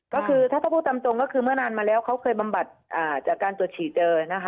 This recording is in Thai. ก็คือถ้าพูดตามตรงก็คือเมื่อนานมาแล้วเขาเคยบำบัดจากการตรวจฉี่เจอนะคะ